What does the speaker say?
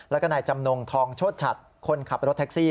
แล้วก็นายจำนงทองโชชัดคนขับรถแท็กซี่